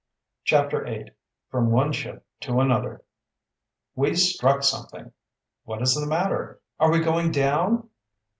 CHAPTER VIII FROM ONE SHIP TO ANOTHER "We struck something!" "What is the matter?" "Are we going down?"